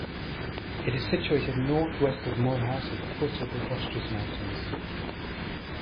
It is situated northwest of Mulhouse at the foot of the Vosges mountains.